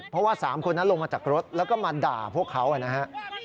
เพราะว่า๓คนนั้นลงมาจากรถแล้วก็มาด่าพวกเขานะครับ